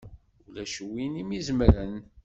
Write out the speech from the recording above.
Ulac win i m-izemren!